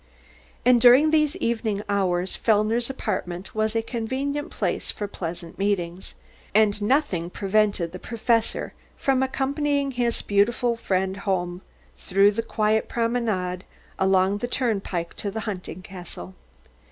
And during these evening hours Fellner's apartment was a convenient place for pleasant meetings; and nothing prevented the Professor from accompanying his beautiful friend home through the quiet Promenade, along the turnpike to the hunting castle.